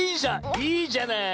いいじゃない。